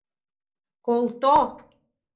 — Колто-о!